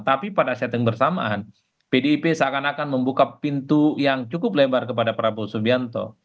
tapi pada setting bersamaan pdip seakan akan membuka pintu yang cukup lebar kepada prabowo subianto